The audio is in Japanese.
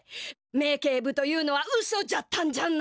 名警部というのはうそじゃったんじゃな。